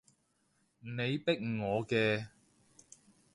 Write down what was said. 你逼我嘅